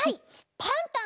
パンタン！